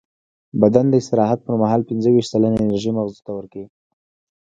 بدن د استراحت پر مهال پینځهویشت سلنه انرژي مغزو ته ورکوي.